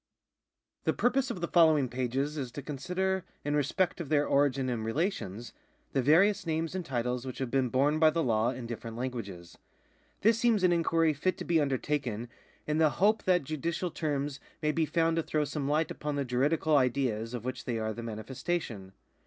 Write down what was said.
The purpose of the following pages is to consider, in respect of their origin and relations, the various names and titles which have been borne by the law in different languages. This seems an inquiry fit to be under taken in the hope that judicial terms may be found to throw some light upon the juridical ideas of which they are the manifestation.